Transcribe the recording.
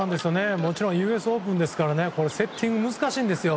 もちろんＵＳオープンですからねセッティングが難しいんですよ。